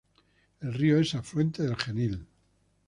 El río es afluente del Genil.